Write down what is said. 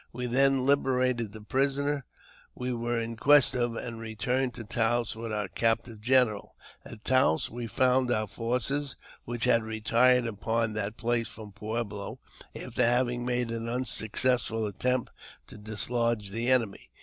We then liberated the prisoner we were in quest of, and returned to Taos with our captive general. At Taos 402 AUTOBIOGRAPHY OF we found our forces, which had retired upon that place from Pueblo, after having made an unsuccessful attempt to dislodge the enemy.